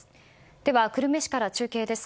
では久留米市から中継です。